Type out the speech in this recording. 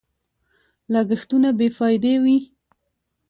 لګښتونه بې فايدې وي.